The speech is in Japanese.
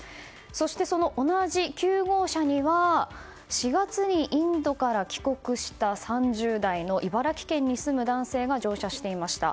そして、その同じ９号車には４月にインドから帰国した３０代の茨城県に住む男性が乗車していました。